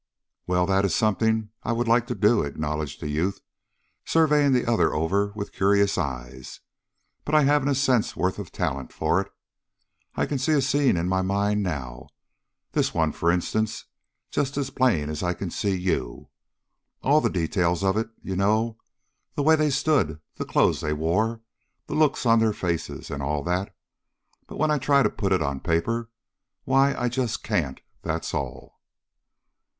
"Well, that is something I would like to do," acknowledged the youth, surveying the other over with curious eyes. "But I hav'n't a cent's worth of talent for it. I can see a scene in my mind now this one for instance just as plain as I can see you; all the details of it, you know, the way they stood, the clothes they wore, the looks on their faces, and all that, but when I try to put it on paper, why, I just can't, that's all."